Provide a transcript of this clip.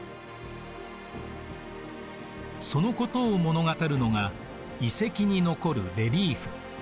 そのことを物語るのが遺跡に残るレリーフ。